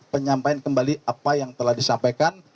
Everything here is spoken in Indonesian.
penyampaian kembali apa yang telah disampaikan